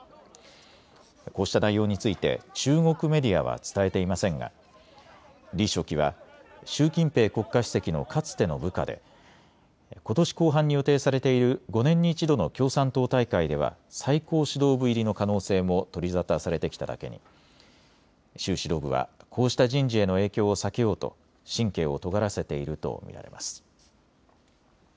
こうした内容について中国メディアは伝えていませんが李書記は習近平国家主席のかつての部下でことし後半に予定されている５年に１度の共産党大会では最高指導部入りの可能性も取り沙汰されてきただけに習指導部はこうした人事への影響を避けようと神経をとがらせていると見られます。